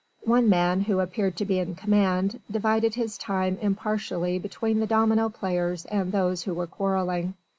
One man, who appeared to be in command, divided his time impartially between the domino players and those who were quarrelling.